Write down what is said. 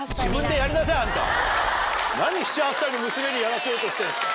何７８歳の娘にやらせようとしてるんですか。